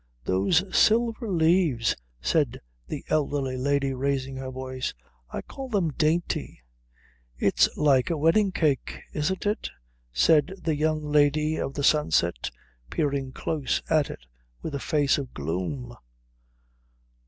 "Those silver leaves " said the elderly lady, raising her voice, "I call them dainty." "It's like a wedding cake, isn't it?" said the young lady of the sunset, peering close at it with a face of gloom.